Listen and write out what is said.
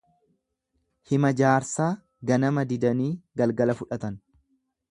Hima jaarsaa ganama didanii galgala fudhatan.